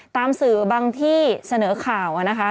ตามสื่อบางที่เสนอข่าวนะคะ